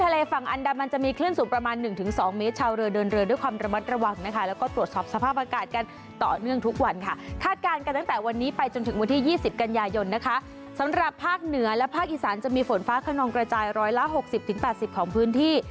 ภาคการจะมีฝนฟ้าขนองกระจายร้อยละ๖๐๘๐ของพื้นที่